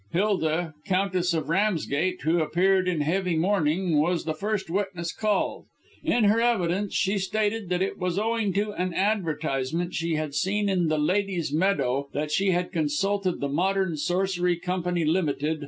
Hilda, Countess of Ramsgate, who appeared in heavy mourning, was the first witness called. In her evidence she stated, that it was owing to an advertisement she had seen in the Ladies' Meadow, that she had consulted the Modern Sorcery Company Ltd.